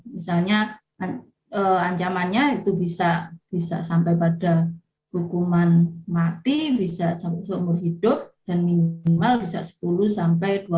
misalnya ancamannya itu bisa sampai pada hukuman mati bisa sampai seumur hidup dan minimal bisa sepuluh sampai